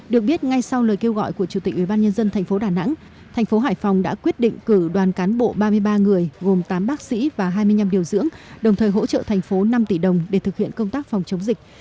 được biết ngay sau lời kêu gọi của chủ tịch ubnd tp đà nẵng thành phố hải phòng đã quyết định cử đoàn cán bộ ba mươi ba người gồm tám bác sĩ và hai mươi năm điều dưỡng đồng thời hỗ trợ thành phố năm tỷ đồng để thực hiện công tác phòng chống dịch